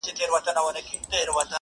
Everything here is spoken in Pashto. د ورځي سور وي رسوایي پکښي.